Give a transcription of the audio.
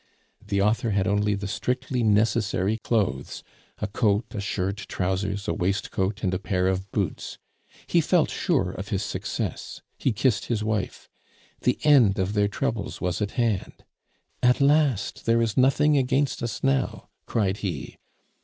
The author had only the strictly necessary clothes a coat, a shirt, trousers, a waistcoat, and a pair of boots. He felt sure of his success; he kissed his wife. The end of their troubles was at hand. 'At last! There is nothing against us now,' cried he.